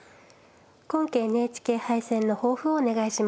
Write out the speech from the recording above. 今期ＮＨＫ杯戦の抱負をお願いします。